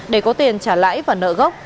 để có tiền trả lãi và nợ gốc